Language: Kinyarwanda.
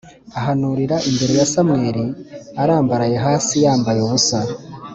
ahanurira imbere ya Samweli arambaraye hasi yambaye ubusa